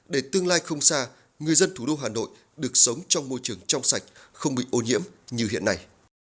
để tương lai không xa người dân thủ đô hà nội được sống trong môi trường trong sạch không bị ô nhiễm như hiện nay